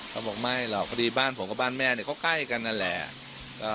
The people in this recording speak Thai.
เขาบอกไม่หรอกพอดีบ้านผมกับบ้านแม่เนี่ยก็ใกล้กันนั่นแหละ